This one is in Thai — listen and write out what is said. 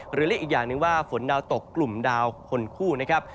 เรียกอีกอย่างหนึ่งว่าฝนดาวตกกลุ่มดาวคนคู่นะครับ